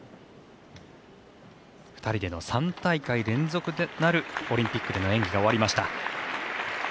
２人での３大会連続となるオリンピックでの演技が終わりました。